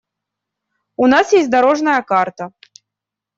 У нас есть дорожная карта.